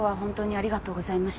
・ありがとうございます。